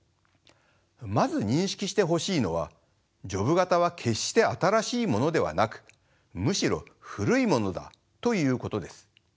まず認識してほしいのはジョブ型は決して新しいものではなくむしろ古いものだということです。